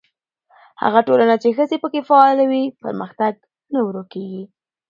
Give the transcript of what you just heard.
هغه ټولنه چې ښځې پکې فعاله وي، پرمختګ نه ورو کېږي.